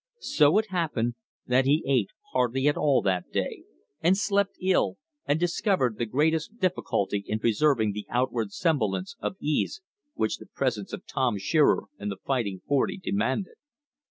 So it happened that he ate hardly at all that day, and slept ill, and discovered the greatest difficulty in preserving the outward semblance of ease which the presence of Tim Shearer and the Fighting Forty demanded.